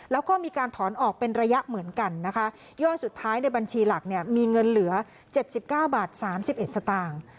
แล้วก็มีการถอนออกเป็นระยะเหมือนกันนะคะย่อสุดท้ายในบัญชีหลักเนี่ยมีเงินเหลือเจ็ดสิบเก้าบาทสามสิบเอ็ดสตางค์